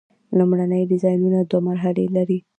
لومړني ډیزاینونه دوه مرحلې لري.